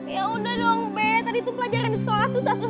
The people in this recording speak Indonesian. ya udah dong be tadi tuh pelajaran di sekolah tuh susah susah